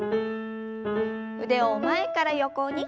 腕を前から横に。